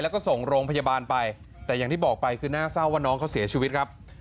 แล้วก็ส่งโรงพยาบาลไปแต่อย่างที่บอกไปคือน่าเศร้าว่าน้องเขาเสียชีวิตครับ